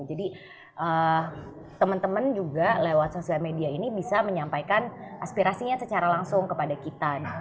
jadi teman teman juga lewat sosial media ini bisa menyampaikan aspirasinya secara langsung kepada kita